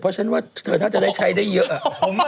เพราะฉันว่าเธอน่าจะได้ใช้ได้เยอะ